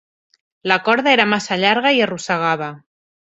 La corda era massa llarga i arrossegava.